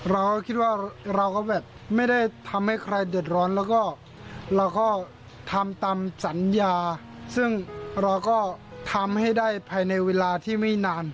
เราก็คิดว่าเราก็แบบไม่ได้ทำให้ใครเดือดร้อนแล้วก็เราก็ทำตามสัญญาซึ่งเราก็ทำให้ได้ภายในเวลาที่ไม่นาน